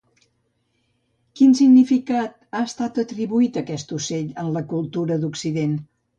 Quin significat ha estat atribuït a aquest ocell en la cultura d'Occident?